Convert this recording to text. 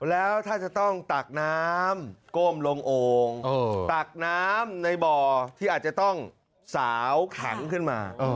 แล้วถ้าจะต้องตักน้ำก้มลงโอ่งตักน้ำในบ่อที่อาจจะต้องสาวแข็งขึ้นมา